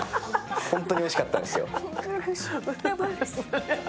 ホントにおいしかったんですよ。